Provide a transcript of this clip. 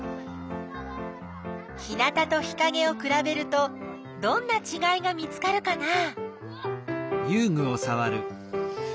日なたと日かげをくらべるとどんなちがいが見つかるかな？